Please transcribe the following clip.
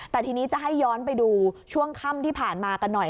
แต่ทีนี้จะให้ย้อนไปดูช่วงค่ำที่ผ่านมากันหน่อย